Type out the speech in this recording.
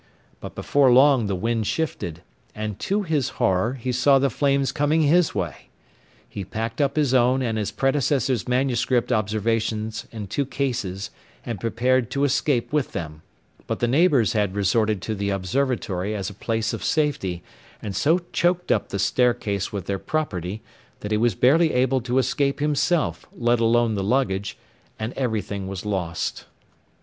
But before long the wind shifted, and to his horror he saw the flames coming his way. He packed up his own and his predecessor's manuscript observations in two cases, and prepared to escape with them, but the neighbours had resorted to the observatory as a place of safety, and so choked up the staircase with their property that he was barely able to escape himself, let alone the luggage, and everything was lost.